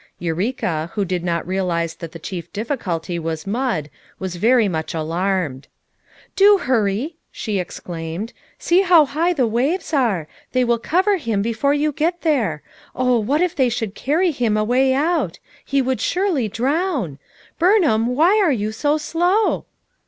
Eureka, who did not realize that the chief difficulty was mud, was very much alarmed. "Do hurry ! f ' she exclaimed. '' See how high the waves are ! they will cover him before you get there. Oh, what if they should carry him away out! he would surely drown! Burnham, why are you so slow